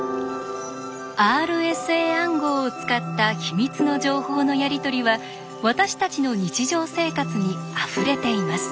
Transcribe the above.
ＲＳＡ暗号を使った秘密の情報のやり取りは私たちの日常生活にあふれています。